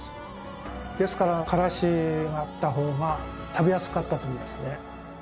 ですからからしがあったほうが食べやすかったと思いますね。